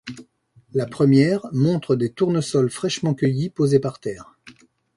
La première montre des tournesols fraîchement cueillis posés par terre.